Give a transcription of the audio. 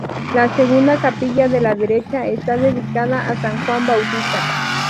La segunda capilla de la derecha está dedicada a san Juan Bautista.